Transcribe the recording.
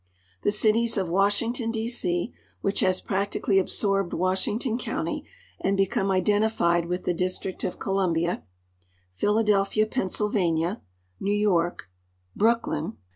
The cities of Washington, D. C., which has practicalh'^ absorbed Washington county and become identified with the District of Columbia; Philadelphia, Pennsylvania ; New York; Brooklyn